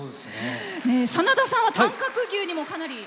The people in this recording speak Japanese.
真田さんは短角牛にもかなり。